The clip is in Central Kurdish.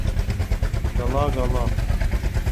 گەڵا گەڵا